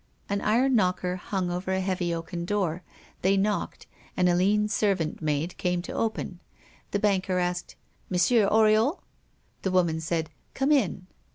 An iron knocker hung over a heavy oaken door; they knocked, and a lean servant maid came to open it. The banker asked: "Monsieur Oriol?" The woman said: "Come in."